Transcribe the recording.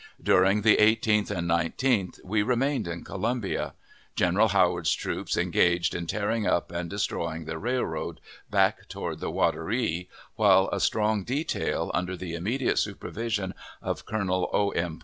During the 18th and 19th we remained in Columbia, General Howard's troops engaged in tearing up and destroying the railroad, back toward the Wateree, while a strong detail, under the immediate supervision of Colonel O. M.